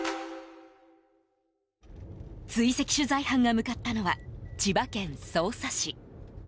追跡取材班が向かったのは千葉県匝瑳市。